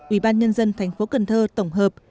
ubnd tp cần thơ tổng hợp